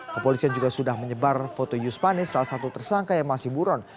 kepolisian juga sudah menyebar foto yus pane salah satu tersangka yang masih buron